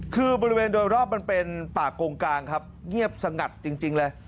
คือบริเวณโดยรอบมันเป็นป่ากงกลางครับเงียบสงัดจริงเลย